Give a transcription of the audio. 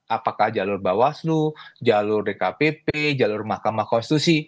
apakah jalur bawaslu jalur dkpp jalur mahkamah konstitusi